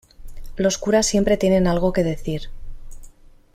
los curas siempre tiene algo que decir.